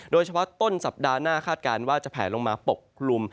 โดยเฉพาะต้นสัปดาห์หน้าคาดการณ์ว่าจะแผลลงมาปกกลุ่ม